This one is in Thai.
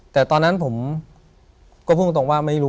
ถูกต้องไหมครับถูกต้องไหมครับ